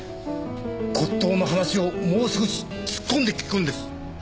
骨董の話をもう少し突っ込んで聞くんです。